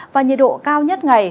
và nhiệt độ cao nhất ngày